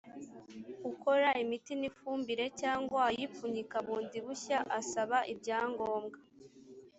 ukora imiti n’ifumbire cyangwa uyipfunyika bundi bushya asaba ibyangombwa